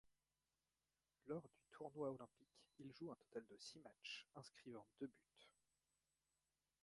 Lors du tournoi olympique, il joue un total de six matchs, inscrivant deux buts.